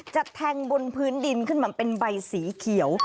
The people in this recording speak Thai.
จะแทงบนพื้นดินขึ้นมาเป็นใบสีเขียว